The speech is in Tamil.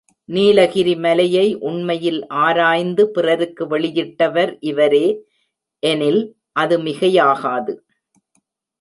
நீலகிரி மலையை உண்மையில் ஆராய்ந்து பிறருக்கு வெளியிட்டவர் இவரே எனில், அது மிகையாகாது.